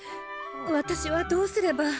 私はどうすれば。